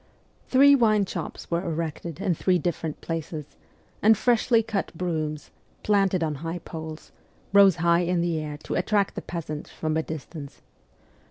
Three wine shops were 120 MEMOIRS OF A REVOLUTIONIST erected in three different places, and freshly cut brooms, planted on high poles, rose high in the air to attract the peasants from a distance.